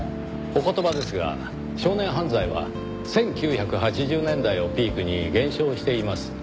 お言葉ですが少年犯罪は１９８０年代をピークに減少しています。